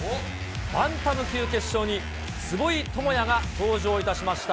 バンタム級決勝に、坪井智也が登場いたしました。